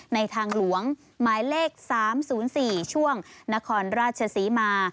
ทางหลวงหมายเลข๓๐๔ช่วงนครราชศรีมา